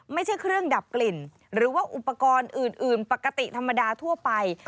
ไม่ใช่เครื่องดับกลิ่นหรือว่าอุปกรณ์อื่นปกติธรรมดาทั่วไป